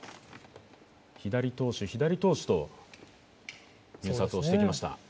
左投手、左投手と入札をしてきました。